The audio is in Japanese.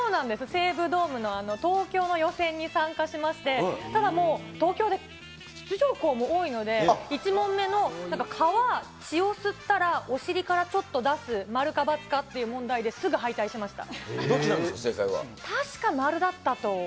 西武ドームの東京の予選に参加しまして、ただ、もう、東京で出場校も多いので、１問目のなんか、蚊は血を吸ったら、お尻からちょっと出す、○か×かっていう問題ですぐ敗退しました。